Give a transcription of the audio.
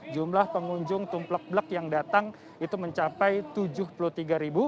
jumlah pengunjung tumplek blek yang datang itu mencapai tujuh puluh tiga ribu